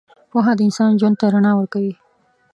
پوهه د انسان ژوند ته رڼا ورکوي.